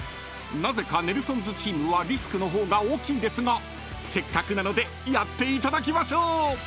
［なぜかネルソンズチームはリスクの方が大きいですがせっかくなのでやっていただきましょう！］